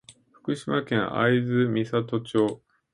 福島県会津美里町